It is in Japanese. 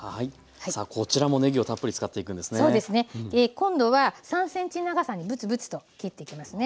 今度は３ｃｍ長さにブツブツと切っていきますね。